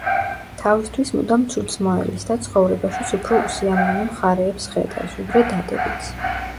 თავისთვის მუდამ ცუდს მოელის და ცხოვრებაშიც უფრო უსიამოვნო მხარეებს ხედავს, ვიდრე დადებითს.